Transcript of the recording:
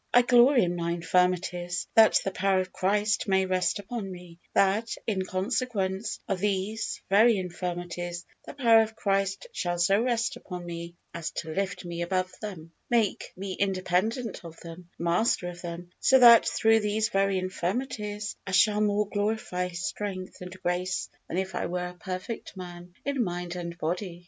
I glory in my infirmities, that the power of Christ may rest upon me that, in consequence of these very infirmities, the power of Christ shall so rest upon me as to lift me above them, make me independent of them, master of them, so that, through these very infirmities, I shall more glorify His strength and grace than if I were a perfect man, in mind and body.